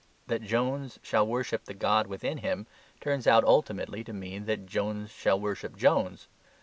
That Jones shall worship the god within him turns out ultimately to mean that Jones shall worship Jones.